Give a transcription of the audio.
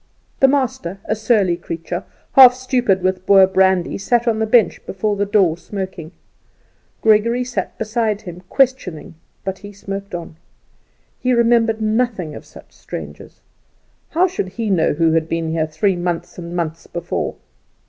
The master, a surly creature, half stupid with Boer brandy, sat on the bench before the door smoking. Gregory sat beside him, questioning, but he smoked on. He remembered nothing of such strangers. How should he know who had been there months and months before?